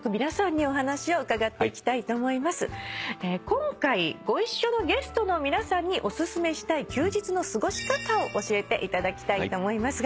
今回ご一緒のゲストの皆さんにオススメしたい休日の過ごし方を教えていただきたいと思いますがまずはスガさん